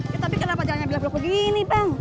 ya tapi kenapa jalannya belok belok begini bang